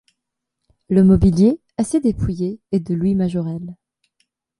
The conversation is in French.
Le mobilier, assez dépouillé, est de Louis Majorelle.